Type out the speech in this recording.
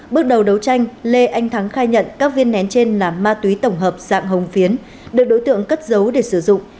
bước đầu đấu tranh lê anh thắng khai nhận các viên nén trên là ma túy tổng hợp dạng hồng phiến được đối tượng cất giấu để sử dụng